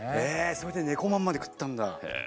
それでねこまんまで食ったんだ。